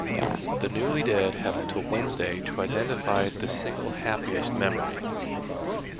The newly-dead have until Wednesday to identify the single happiest memory.